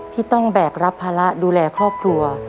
ที่ต้องแบกรับภาระดูแลครอบครัว